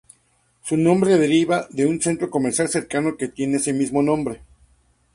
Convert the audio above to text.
Su nombre deriva de un centro comercial cercano que tiene ese mismo nombre.